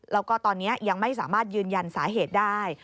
แล้วก็ตอนนี้ยังไม่สามารถยืนยันสาเหตุได้